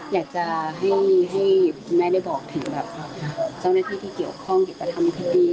อยากจะให้คุณแม่ได้บอกถึงแบบเจ้าหน้าที่ที่เกี่ยวข้องอยากจะทำคดี